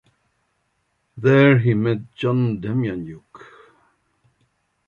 There he met John Demjanjuk.